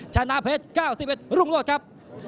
ชนะเพชร๙๑รุ่งโรศครับ